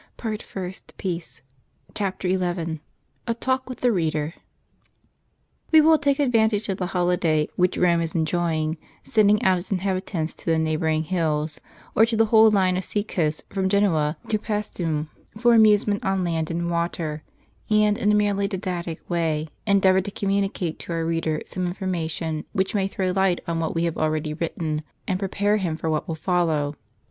Peter and Marcellin. CHAPTER XI. A TALK WITH THE READER. ^E will take advantage of the holiday ^Yhich Eome is enjoying, sending out its inhabitants to the neighboring hills, or to the whole line of sea coast from Genoa to Pajstinn, for amusement on land and w^ater : and, in a merely didac tic way, endeavor to communicate to our reader some information, which may throw light on what w^e have already w^ritten, and prepare him for what will follow.